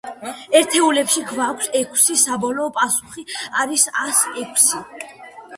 ერთეულებში გვაქვს ექვსი, საბოლოო პასუხი არის ას ექვსი.